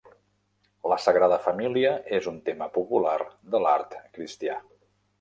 La Sagrada Família és un tema popular de l'art cristià.